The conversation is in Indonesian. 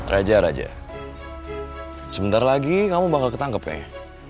raja raja sebentar lagi kamu bakal ketangkep kayaknya